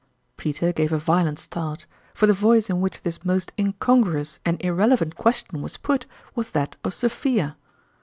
Peter gave a violent start, for the voice in w r hich this most incongruous and irrelevant question was put was that of Sophia